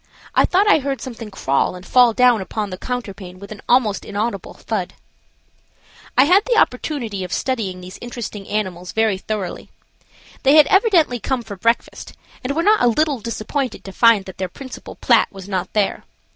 I thought I heard something crawl and fall down upon the counterpane with an almost inaudible thud. I had the opportunity of studying these interesting animals very thoroughly. They had evidently come for breakfast, and were not a little disappointed to find that their principal plat was not there.